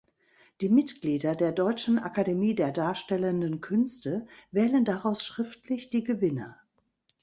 Die Mitglieder der Deutschen Akademie der Darstellenden Künste wählen daraus schriftlich die Gewinner.